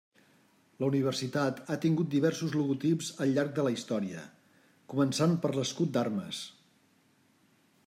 La universitat ha tingut diversos logotips al llarg de la història, començant per l'escut d'armes.